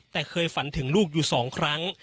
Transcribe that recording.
แต่เคยฝันถึงลูกอยู่๒ครั้ง